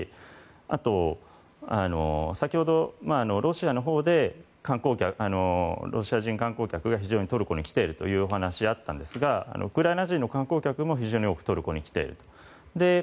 あと、先ほどロシア人観光客が非常にトルコに来ているというお話があったんですがウクライナ人の観光客も非常に多くトルコに来ている。